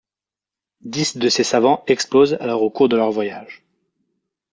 Dix de ces savants explosent alors au cours de leur voyage.